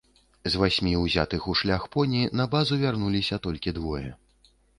З васьмі узятых у шлях поні на базу вярнуліся толькі двое.